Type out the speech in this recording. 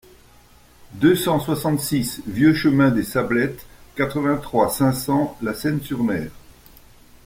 deux cent soixante-six vieux Chemin Vieux Che des Sablettes, quatre-vingt-trois, cinq cents, La Seyne-sur-Mer